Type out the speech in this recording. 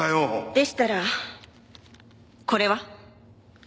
でしたらこれは？